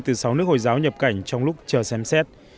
từ sáu nước hồi giáo nhập cảnh trong lúc chờ xem xét